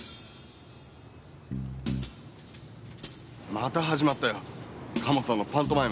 また始まったよ鴨さんのパントマイム。